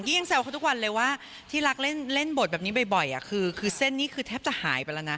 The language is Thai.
ยังแซวเขาทุกวันเลยว่าที่รักเล่นบทแบบนี้บ่อยคือเส้นนี้คือแทบจะหายไปแล้วนะ